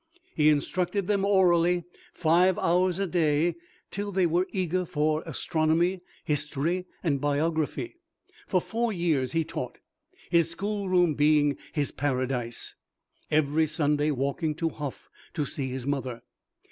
He instructed them orally five hours a day, till they were eager for astronomy, history, and biography. For four years he taught, "his schoolroom being his Paradise," every Sunday walking to Hof to see his mother.